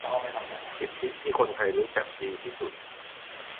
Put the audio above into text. สิทธิที่คนไทยรู้จักดีที่สุด